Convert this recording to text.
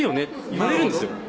言われるんですよ